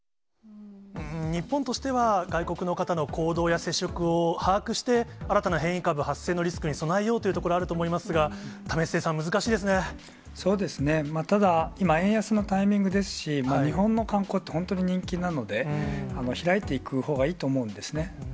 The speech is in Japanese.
日本としては、外国の方の行動や接触を把握して、新たな変異株発生のリスクに備えようというところがあると思いまそうですね、ただ、今、円安のタイミングですし、日本の観光って本当に人気なので、開いていくほうがいいと思うんですね。